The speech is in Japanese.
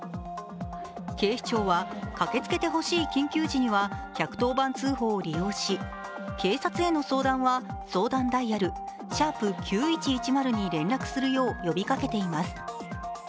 警視庁は、駆けつけてほしい緊急時には１１０番通報を利用し警察への相談は相談ダイヤル♯９１１０に連絡するよう呼びかけています。